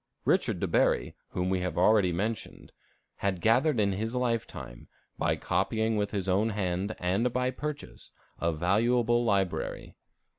Richard de Bury, whom we have already mentioned, had gathered in his life time, by copying with his own hand and by purchase, a valuable library.